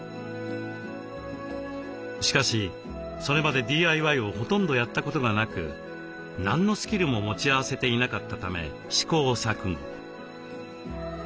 しかしそれまでＤＩＹをほとんどやったことがなく何のスキルも持ち合わせていなかったため試行錯誤。